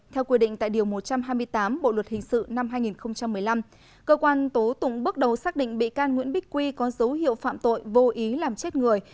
theo quy định tại điều một trăm hai mươi tám bộ luật hình sự năm hai nghìn một mươi năm cơ quan tố tụng bước đầu xác định bị can nguyễn bích quy có dấu hiệu phạm tội vô ý làm chết người